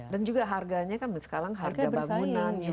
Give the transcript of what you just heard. dan juga harganya kan sekarang harga bangunan